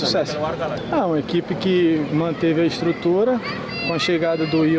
ketika kita datang dari rio